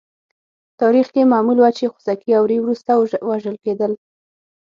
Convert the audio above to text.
تاریخ کې معمول وه چې خوسکي او وری وروسته وژل کېدل.